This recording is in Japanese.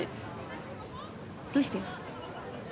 どうして？